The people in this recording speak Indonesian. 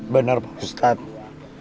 benar pak ustadz